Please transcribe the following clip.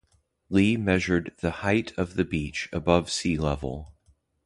Lee measured the height of the beach above sea level.